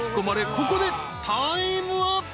ここでタイムアップ］